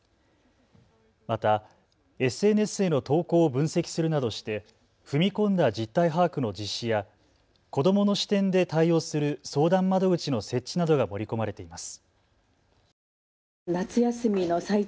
またＳＮＳへの投稿を分析するなどして踏み込んだ実態把握の実施や子どもの視点で対応する相談窓口の設置などが盛り込まれています。